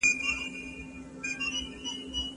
صندلي کي خوب نه منعه کېږي.